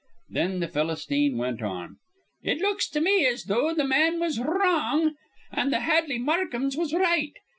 Then the Philistine went on: "It looks to me as though th' man was wr rong, an' th' Hadley Markhams was right.